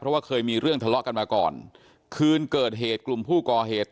เพราะว่าเคยมีเรื่องทะเลาะกันมาก่อนคืนเกิดเหตุกลุ่มผู้ก่อเหตุ